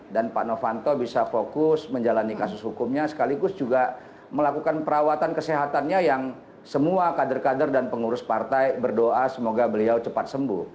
dan pak novanto bisa fokus menjalani kasus hukumnya sekaligus juga melakukan perawatan kesehatannya yang semua kader kader dan pengurus partai berdoa semoga beliau cepat sembuh